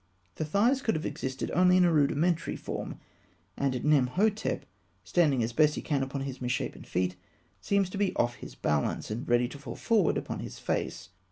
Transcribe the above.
] The thighs could have existed only in a rudimentary form, and Nemhotep, standing as best he can upon his misshapen feet, seems to be off his balance, and ready to fall forward upon his face.